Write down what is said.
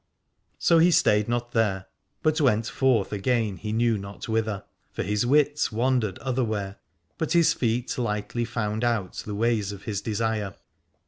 So he stayed not there, but went forth 246 Alad ore again he knew not whither : for his wits wandered otherwhere, but his feet lightly found out the ways of his desire.